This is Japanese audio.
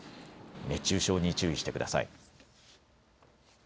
熱中症に注意してください。